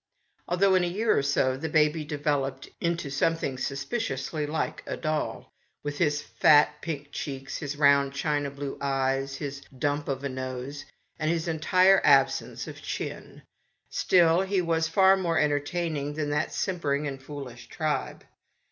Although, in a year or so, the baby developed into something suspiciously like a doll, with his fat, pink cheeks, his round, china blue eyes, his dump of a nose, and his entire absence of chin, still, he was far more entertaining than that simpering and foolish tribe.